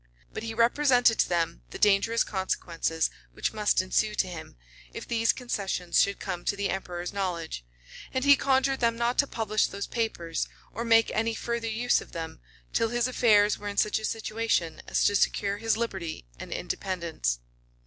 But he represented to them the dangerous consequences which must ensue to him, if these concessions should come to the emperor's knowledge; and he conjured them not to publish those papers, or make any further use of them, till his affairs were in such a situation as to secure his liberty and independence.